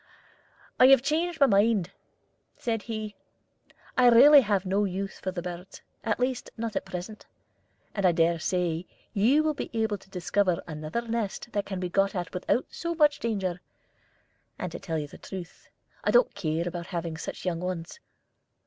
"I have changed my mind," said he: "I really have no use for the birds, at least not at present, and I dare say you will be able to discover another nest that can be got at without so much danger; and to tell you the truth, I don't care about having such young ones.